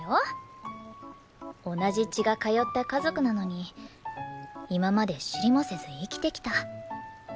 同じ血が通った家族なのに今まで知りもせず生きてきた。